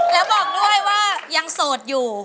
แล้วบอกด้วยว่ายังโสดอยู่